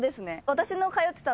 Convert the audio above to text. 私の通ってた。